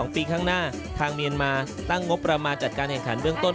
ปีข้างหน้าทางเมียนมาตั้งงบประมาณจัดการแข่งขันเบื้องต้น